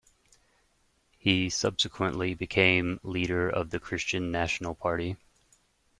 He subsequently became leader of the Christian National Party.